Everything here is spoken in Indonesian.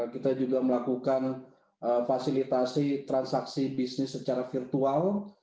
kita juga melakukan fasilitasi transaksi bisnis secara virtual